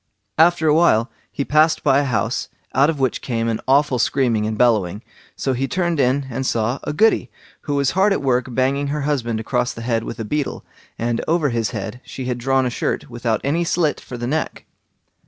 After a while he passed by a house, out of which came an awful screaming and bellowing; so he turned in and saw a Goody, who was hard at work banging her husband across the head with a beetle, and over his head she had drawn a shirt without any slit for the neck.